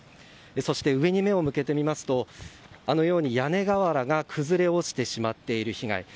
そして、上に目を向けてみますと屋根瓦が崩れ落ちてしまっている被害。